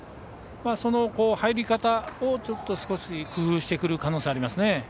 その入り方を少し工夫してくる可能性がありますね。